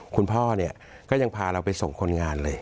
คุณพ่อเนี่ยก็ยังพาเราไปส่งคนงานเลย